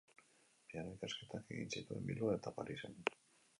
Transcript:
Piano ikasketak egin zituen Bilbon eta Parisen.